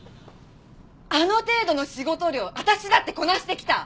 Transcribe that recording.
あの程度の仕事量私だってこなしてきた！